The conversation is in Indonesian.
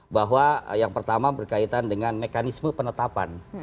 bahwa yang pertama berkaitan dengan mekanisme penetapan